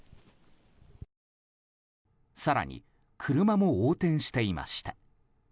更に、車も横転していました。